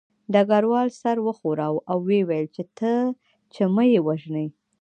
ډګروال سر وښوراوه او ویې ویل چې مه یې وژنئ